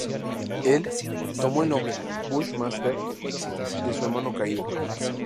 Él tomó el nombre "Bushmaster" de su hermano caído.